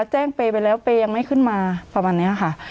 เปย์ไปแล้วเปย์ยังไม่ขึ้นมาประมาณนี้ค่ะ